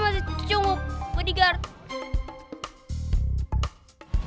masa cunggu bodyguard